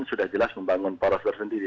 sudah jelas membangun poros tersendiri